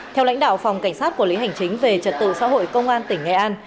theo lãnh đạo phòng cảnh sát quản lý hành chính về trật tự xã hội công an tỉnh nghệ an